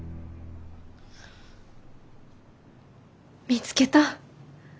見つけた。